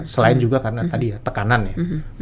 selain juga karena tadi ya tekanan ya